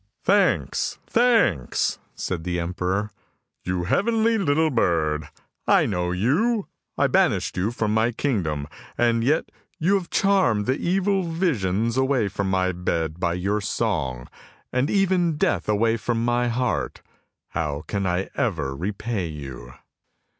" Thanks, thanks! " said the emperor; " you heavenly little bird, I know you! I banished you from my kingdom, and yet you have charmed the evil visions away from my bed by your song, and even Death away from my heart! How can I ever repay you?